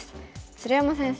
鶴山先生